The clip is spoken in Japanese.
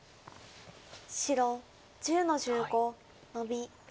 白１０の十五ノビ。